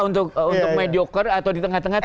untuk mediocar atau di tengah tengah